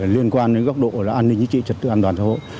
liên quan đến góc độ an ninh chính trị trật tức an toàn cho hội